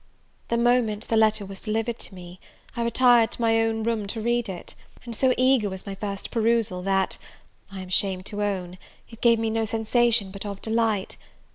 The moment the letter was delivered to me, I retired to my own room to read it; and so eager was my first perusal, that, I am ashamed to own, it gave me no sensation but of delight.